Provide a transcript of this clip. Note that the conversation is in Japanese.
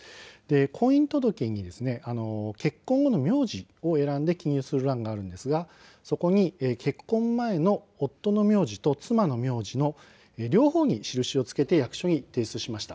婚姻届に結婚後の名字を選んで記入する欄があるんですが、そこに結婚前の夫の名字と妻の名字の両方に印を付けて役所に提出しました。